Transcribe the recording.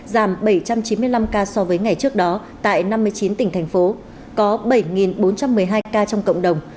giảm bảy trăm chín mươi năm ca so với ngày trước đó tại năm mươi chín tỉnh thành phố có bảy bốn trăm một mươi hai ca trong cộng đồng